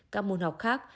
các môn học khác